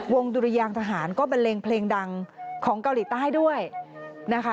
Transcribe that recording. ดุรยางทหารก็บันเลงเพลงดังของเกาหลีใต้ด้วยนะคะ